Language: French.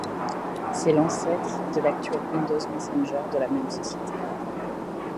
C'est l'ancêtre de l'actuel Windows Messenger de la même société.